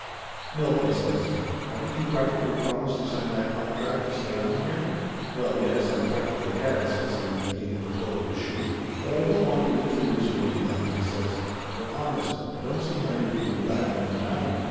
336 Laughter Limited "Milt," I says, "haven't you practically promised to sign that contract to stay on here ?" "Well yes, I practically had," says he, looking at the toe of his shoe. "Well, I don't want to influence you any, hon," I says, "but honest, I don't see how you can go back on them now."